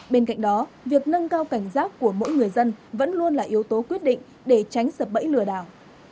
bên cạnh đó việc nâng cao cảnh giác của mỗi người dân vẫn luôn là yếu tố quyết định để tránh sập bẫy lừa đảo